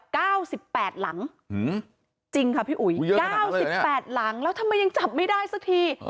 เก้าสิบแปดหลังอืมจริงค่ะพี่อุ๋ยเก้าสิบแปดหลังแล้วทำไมยังจับไม่ได้สักที